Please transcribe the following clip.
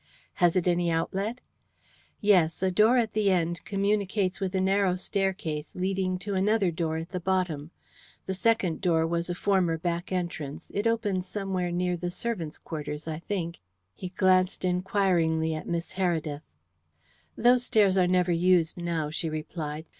"Has it any outlet?" "Yes; a door at the end communicates with a narrow staircase, leading to another door at the bottom. The second door was a former back entrance it opens somewhere near the servants' quarters, I think?" He glanced inquiringly at Miss Heredith. "Those stairs are never used now," she replied.